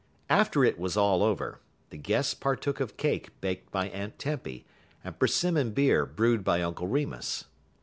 After it was all over, the guests partook of cake baked by Aunt Tempy, and persimmon beer brewed by Uncle Remus.